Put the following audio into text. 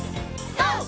ＧＯ！